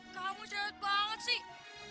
kamu jahat banget sih